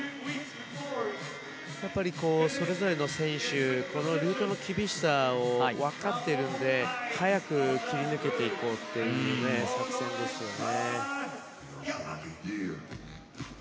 それぞれの選手ルートの厳しさを分かっているので早く切り抜けていこうという作戦ですよね。